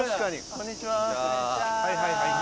こんにちは。